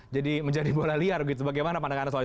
jadi menjadi bola liar gitu bagaimana pandangan anda soal itu